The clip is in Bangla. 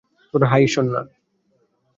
হায় ঈশ্বর, না!